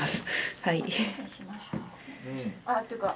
はい。